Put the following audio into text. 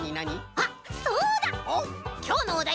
あっそうだ！